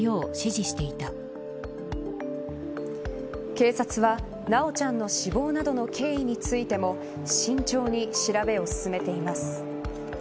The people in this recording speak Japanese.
警察は修ちゃんの死亡などの経緯についても慎重に調べを進めています。